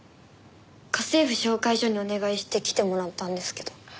家政婦紹介所にお願いして来てもらったんですけど。